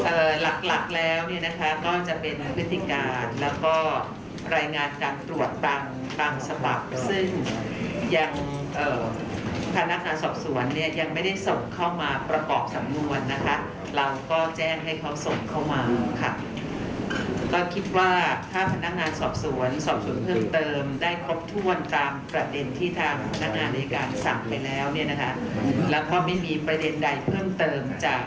หลักหลักแล้วเนี่ยนะคะก็จะเป็นพฤติการแล้วก็รายงานการตรวจตามบางฉบับซึ่งยังเอ่อพนักงานสอบสวนเนี่ยยังไม่ได้ส่งเข้ามาประกอบสำนวนนะคะเราก็แจ้งให้เขาส่งเข้ามาค่ะก็คิดว่าถ้าพนักงานสอบสวนสอบสวนเพิ่มเติมได้ครบถ้วนตามประเด็นที่ทางพนักงานในการสั่งไปแล้วเนี่ยนะคะแล้วก็ไม่มีประเด็นใดเพิ่มเติมจาก